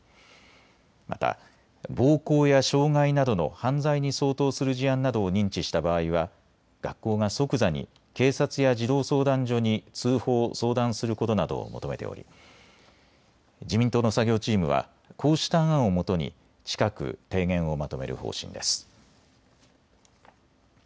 また暴行や傷害などの犯罪に相当する事案などを認知した場合は学校が即座に警察や児童相談所に通報・相談することなどを求めており自民党の作業チームはこうした案をもとに近く提言をまとめる方針です。